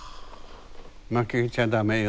負けちゃダメよ。